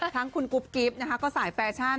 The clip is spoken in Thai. ทั้งคุณกุ๊บกิ๊บนะคะก็สายแฟชั่น